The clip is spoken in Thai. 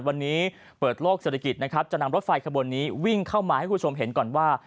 วันนี้เปิดโลกเศรษฐกิจนะครับจะนำรถไฟขบวนนี้วิ่งเข้ามาให้คุณผู้ชมเห็นก่อนว่า